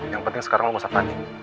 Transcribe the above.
yang penting sekarang lo gak usah panik